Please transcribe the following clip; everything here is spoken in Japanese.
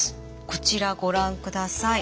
こちらご覧ください。